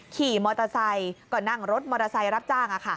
ขี่มอเตอร์ไซค์ก็นั่งรถมอเตอร์ไซค์รับจ้าง